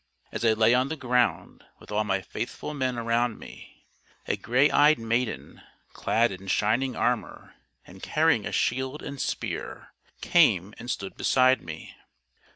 " As I lay on the ground with all my faithful men around me, a gray eyed maiden, clad in shining armor and carrying a shield and spear, came and stood beside me.